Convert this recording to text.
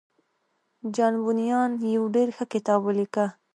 جان بونيان يو ډېر ښه کتاب وليکه.